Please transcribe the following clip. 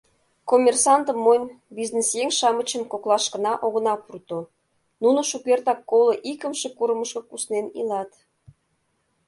Коммерсантым монь, бизнесъеҥ-шамычым коклашкына огына пурто — нуно шукертак коло икымше курымышко куснен илат.